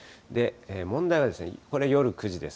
問題は、これ夜９時です。